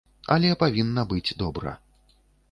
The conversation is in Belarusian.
Але павінна быць добра.